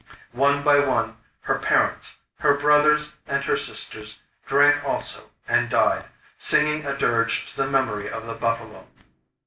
One by one her parents, her brothers and her sisters, drank also and died, singing a dirge to the memory of the buffalo.